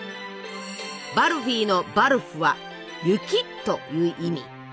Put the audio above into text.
「バルフィ」の「バルフ」は「雪」という意味。